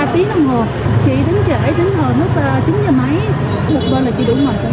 chỉ đến trễ đến hồi lúc chín giờ mấy lục vơ là chị đủ mệt